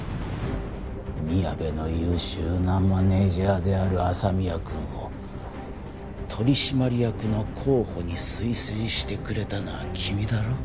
みやべの優秀なマネージャーである麻宮くんを取締役の候補に推薦してくれたのは君だろう？